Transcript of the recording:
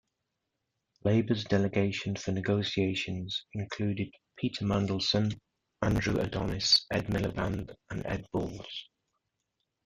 Labour's delegation for negotiations included Peter Mandelson, Andrew Adonis, Ed Miliband, and Ed Balls.